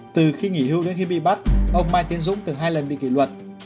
từ khi nghỉ hưu đến khi bị bắt ông mai tiến dũng từng hai lần bị kỷ luật